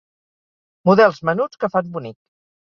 Models menuts que fan bonic.